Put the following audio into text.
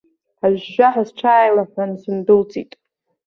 Ажәжәаҳәа сҽааилаҳәан сындәылҵит.